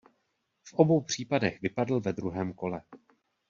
V obou případech vypadl ve druhém kole.